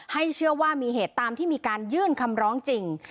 เชื่อว่ามีเหตุตามที่มีการยื่นคำร้องจริง